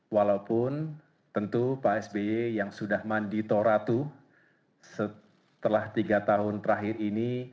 walaupun tentu pak sbi yang sudah mandi to ratu setelah tiga tahun terakhir ini